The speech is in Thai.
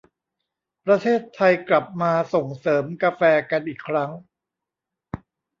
ประเทศไทยกลับมาส่งเสริมกาแฟกันอีกครั้ง